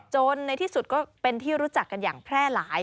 ในที่สุดก็เป็นที่รู้จักกันอย่างแพร่หลาย